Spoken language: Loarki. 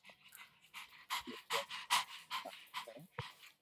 ٻيجا رو ڪاونو ھي